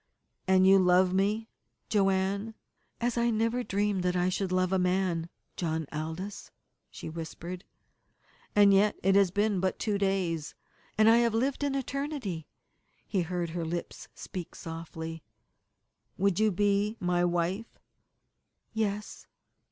"And you love me, Joanne?" "As I never dreamed that I should love a man, John Aldous," she whispered. "And yet it has been but two days " "And I have lived an eternity," he heard her lips speak softly. "You would be my wife?" "Yes."